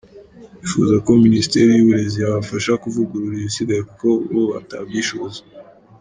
Bifuza ko Minisiteri y’Uburezi yabafasha kuvugurura ibisigaye kuko bo batabyishoboza.